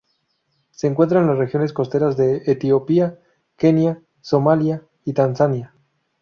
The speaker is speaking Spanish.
Se encuentra en las regiones costeras de Etiopía, Kenia, Somalia y Tanzania.